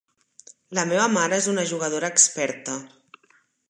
La meva mare és una jugadora experta.